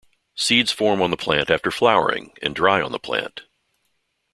Seeds form on the plant after flowering and dry on the plant.